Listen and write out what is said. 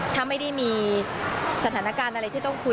ถ้าไม่ได้มีสถานการณ์อะไรที่ต้องคุย